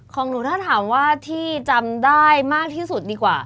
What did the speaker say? ของหนูถ้าถามว่าที่จำได้มากที่สุดดีกว่า